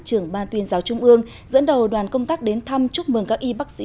trưởng ban tuyên giáo trung ương dẫn đầu đoàn công tác đến thăm chúc mừng các y bác sĩ